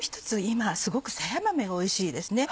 今すごくさや豆がおいしいですね。